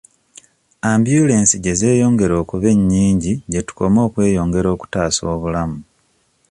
Ambyulensi gye zeeyongera okuba ennyingi gye tukoma okweyongera okutaasa obulamu.